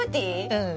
うん。